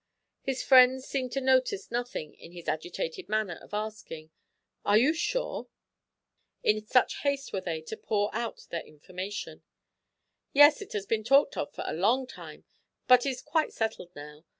His friends seemed to notice nothing in his agitated manner of asking "Are you sure?" in such haste were they to pour out their information. "Yes, it has been talked of for a long time, but is quite settled now.